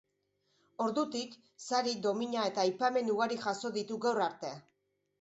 Ordutik, sari, domina eta aipamen ugari jaso ditu gaur arte.